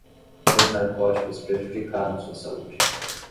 Os narcóticos prejudicaram sua saúde